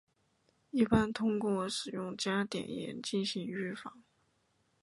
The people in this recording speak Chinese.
一般通过使用加碘盐进行预防。